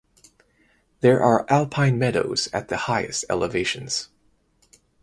There are alpine meadows at the highest elevations.